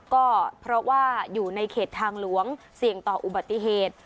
ก็เพราะว่าอยู่ในเขตทางหลวงเสี่ยงต่ออุบัติเหตุ